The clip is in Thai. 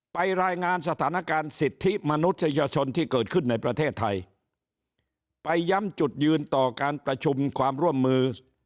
รายงานสถานการณ์สิทธิมนุษยชนที่เกิดขึ้นในประเทศไทยไปย้ำจุดยืนต่อการประชุมความร่วมมือ